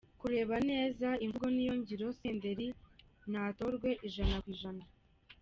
kureba neza imvugo niyo ngiro, Senderi ni atorwe ijana ku ijana.